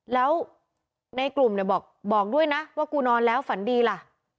แล้วในกลุ่มเนี่ยบอกด้วยนะว่ากูนอนแล้วฝันดีล่ะ